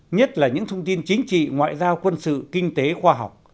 nhất là những thông tin chính trị ngoại giao quân sự kinh tế khoa học